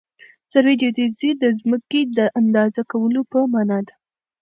سروي جیودیزي د ځمکې د اندازه کولو په مانا ده